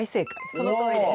そのとおりです。